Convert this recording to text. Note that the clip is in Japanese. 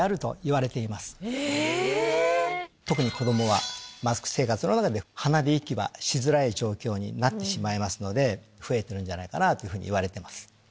特に子供はマスク生活の中で鼻で息はしづらい状況になってしまいますので増えてるんじゃないかなというふうにいわれてます。